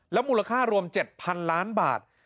มูลค่ารวม๗๐๐๐ล้านบาท